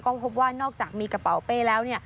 ก็พบว่านอกจากมีกระเป๋าเป้แล้ว